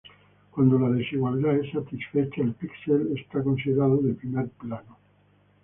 Cuando la desigualdad es satisfecha, el píxel es considerado de primer plano.